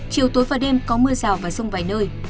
chiều tối và đêm có mưa rào và rông vài nơi